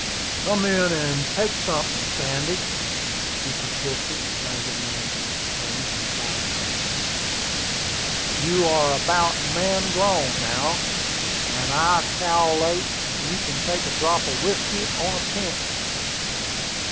"Come in and take sunthin', Sandy," he persisted, dragging me into the saloon in spite of my resistance. "You are about man grown now, and I cal'late you can take a drop of whiskey, on a pinch."